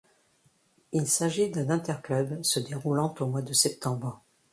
Il s'agit d'un interclub se déroulant au mois de septembre.